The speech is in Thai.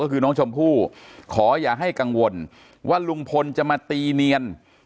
ก็คือน้องชมพู่ขออย่าให้กังวลว่าลุงพลจะมาตีเนียน